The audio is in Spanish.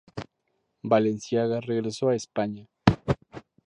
Balenciaga regresó a España.